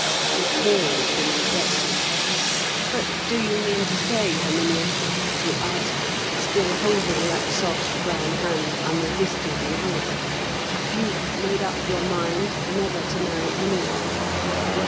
He paused and reflected. "But do you mean to say, Herminia," he asked, still holding that soft brown hand unresisted in his, "you've made up your mind never to marry any one?